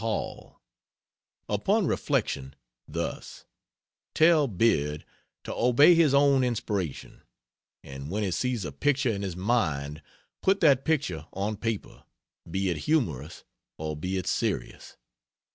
HALL, Upon reflection thus: tell Beard to obey his own inspiration, and when he sees a picture in his mind put that picture on paper, be it humorous or be it serious.